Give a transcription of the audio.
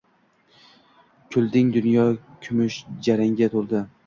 Kulding, dunyo kumush jarangga to‘ldi.